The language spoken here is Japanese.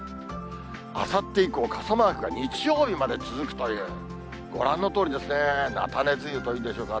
あさって以降、傘マークが日曜日まで続くという、ご覧のとおりですね、菜種梅雨というんでしょうか。